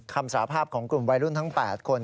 สาภาพของกลุ่มวัยรุ่นทั้ง๘คน